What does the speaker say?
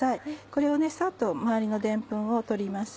これをサッと周りのでんぷんを取ります。